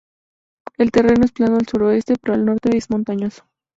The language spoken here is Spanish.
El terreno es plano al sureste, pero al norte es montañoso.